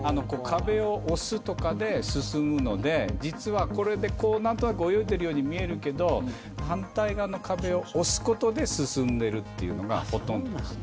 壁を押すとかで進むので実は何となく泳いでいるように見えるけど反対側の壁を押すことで進んでいるというのがほとんどです。